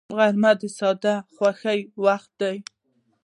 غرمه د ساده خوښیو وخت دی